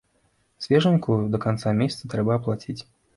Свежанькую, да канца месяца трэба аплаціць.